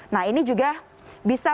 nah ini juga bisa